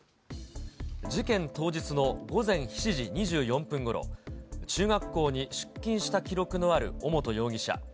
事件当日の午前７時２４分ごろ、中学校に出勤した記録のある尾本容疑者。